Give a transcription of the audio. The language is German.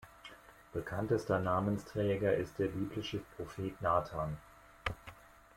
Bekanntester Namensträger ist der biblische Prophet Natan.